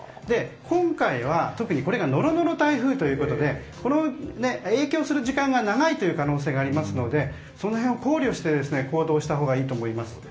今回はこれがノロノロ台風ということでこの影響する時間が長い可能性がありますのでその辺を考慮して行動したほうがいいと思います。